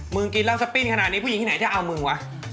กินแล้วสปิ้นขนาดนี้ผู้หญิงที่ไหนจะเอามึงวะ